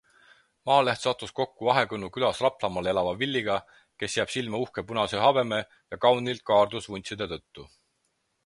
Maaleht sattus kokku Ahekõnnu külas Raplamaal elava Villyga, kes jääb silma uhke punase habeme ja kaunilt kaardus vuntside tõttu.